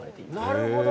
なるほど。